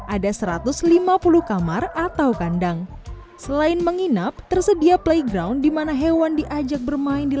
ada satu ratus lima puluh kamar atau kandang selain menginap tersedia playground dimana hewan diajak bermain di